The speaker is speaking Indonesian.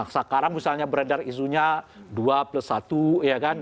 sekarang misalnya beredar isunya dua plus satu ya kan